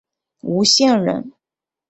吴县人。